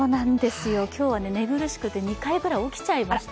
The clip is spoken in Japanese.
今日は寝苦しくて、２回くらい起きちゃいました。